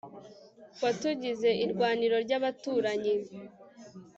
watugize irwaniro ry'abaturanyi